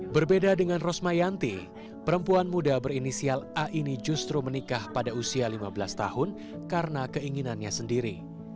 berbeda dengan rosmayanti perempuan muda berinisial a ini justru menikah pada usia lima belas tahun karena keinginannya sendiri